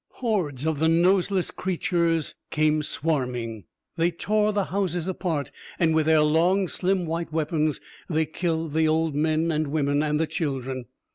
Hordes of the noseless creatures came swarming. They tore the houses apart, and with their long, slim white weapons they killed the old men and women, and the children.